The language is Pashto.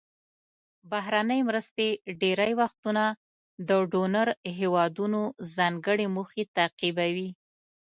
بهرنۍ مرستې ډیری وختونه د ډونر هیوادونو ځانګړې موخې تعقیبوي.